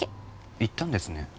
行ったんですね。